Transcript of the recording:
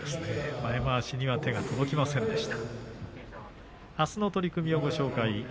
前まわしには手が入りませんでした。